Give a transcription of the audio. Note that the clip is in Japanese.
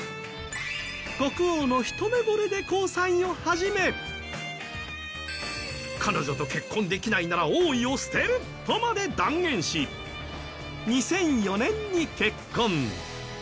国王のひと目ぼれで交際を始め彼女と結婚できないなら王位を捨てるとまで断言し２００４年に結婚。